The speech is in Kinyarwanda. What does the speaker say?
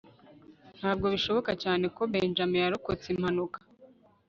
ntabwo bishoboka cyane ko benjamin yarokotse impanuka